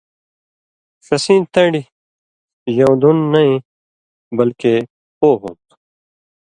ݜسیں تَن٘ڈیۡ ژؤن٘دُن نَیں بلکے پو ہوں تُھو۔